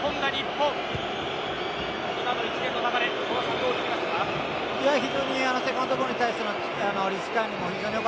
今の一連の流れどう見ますか。